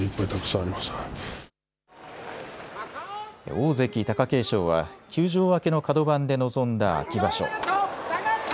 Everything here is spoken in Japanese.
大関・貴景勝は休場明けの角番で臨んだ秋場所。